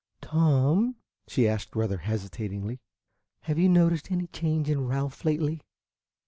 "Tom," she asked, rather hesitatingly, "have you noticed any change in Ralph lately?"